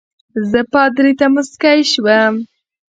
زه پادري ته مسکی شوم.